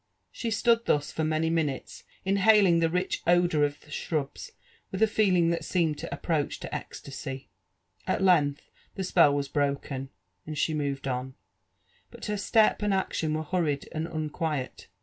Ishe stood thus for many minutes io haling the rich odour of the shrubs with a leeliDg that seemed to ap proach to ecstasy. , At length the spell was broken, and she moved on ; but her rtep and action were hurried and unquiet.